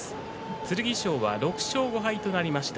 剣翔は６勝５敗となりました。